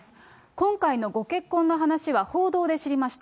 今回のご結婚の話は報道で知りました。